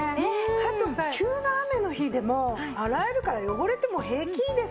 あとさ急な雨の日でも洗えるから汚れても平気ですもんね。